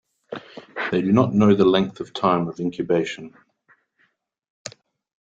They do not know the length of time of incubation.